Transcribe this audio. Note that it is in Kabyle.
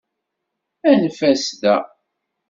Anef-as da.